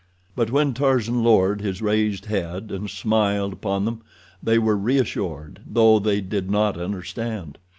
But when Tarzan lowered his raised head and smiled upon them they were reassured, though they did not understand.